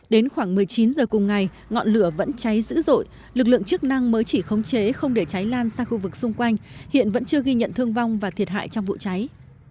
đến khoảng một mươi chín h cùng ngày ngọn lửa vẫn cháy dữ dội lực lượng chức năng mới chỉ khống chế không để cháy lan sang khu vực xung quanh hiện vẫn chưa ghi nhận thương vong và thiệt hại trong vụ cháy